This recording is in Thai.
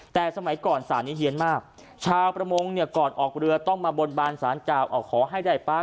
แต่สมัยก่อนศาลนี้เฮียนมากชาวประมงเนี่ยก่อนออกเรือต้องมาบนบานสารกล่าวออกขอให้ได้ปั๊บ